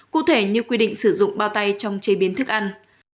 cụ thể như quy định sử dụng bao tay trong chế biến thức ăn